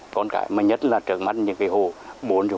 còn cái mà nhất là trở mắt những cái hồ